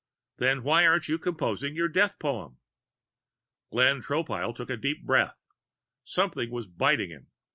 "Then why aren't you composing your death poem?" Glenn Tropile took a deep breath. Something was biting him.